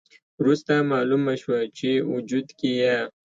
وروسته مالومه شوه چې وجود کې یې